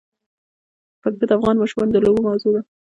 پکتیا د افغان ماشومانو د لوبو موضوع ده.